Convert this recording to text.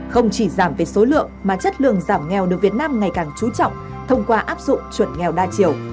không chỉ giảm về số lượng mà chất lượng giảm nghèo được việt nam ngày càng trú trọng thông qua áp dụng chuẩn nghèo đa chiều